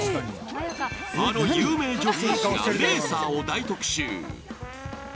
あの有名女性誌がレーサーを大特集。